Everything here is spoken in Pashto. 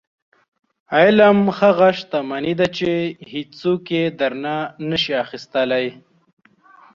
• علم هغه شتمني ده چې هیڅوک یې درنه نشي اخیستلی.